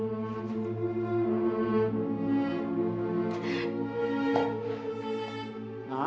aku ingin bersih di rumah aku